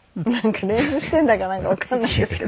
練習してるんだかなんかわからないんですけど。